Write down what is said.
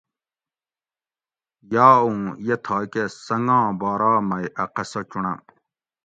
یا اوں یہ تھاکہ سنگاں بارا مئی اۤ قصہ چُونڑم